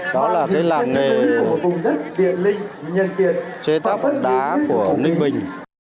đó là cái làng nghề của vùng đất việt linh nhân tiện chế tác đá của ninh bình